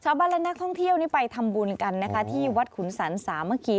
ชาวบรรณนักท่องเที่ยวไปทำบุญกันที่วัดขุนศรรษะเมื่อกี้